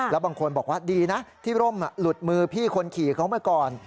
แล้วบางคนบอกว่าดีนะที่ร่มหลุดมือพี่คนขี่เขามาก่อน